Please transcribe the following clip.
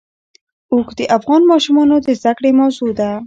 اوښ د افغان ماشومانو د زده کړې موضوع ده.